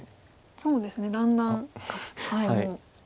そうですねだんだん。